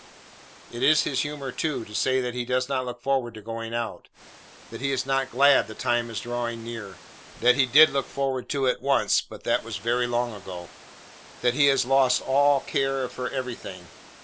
It is his humour too, to say that he does not look forward to going out; that he is not glad the time is drawing near; that he did look forward to it once, but that was very long ago; that he has lost all care for everything.